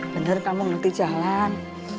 bener kamu ngerti jalan